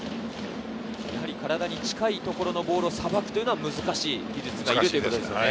体に近いところのボールをさばくというのは難しい技術がいるということなんですね。